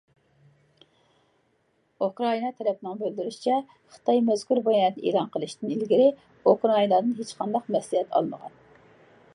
ئۇكرائىنا تەرەپنىڭ بىلدۈرۈشىچە، خىتاي مەزكۇر باياناتنى ئېلان قىلىشتىن ئىلگىرى ئۇكرائىنادىن ھېچقانداق مەسلىھەت ئالمىغان.